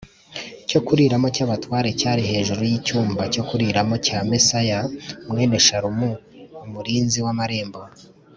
cyo kuriramo cy abatware cyari hejuru y icyumba cyo kuriramo cya Maseya mwene Shalumu a umurinzi w amarembo